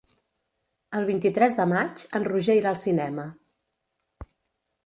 El vint-i-tres de maig en Roger irà al cinema.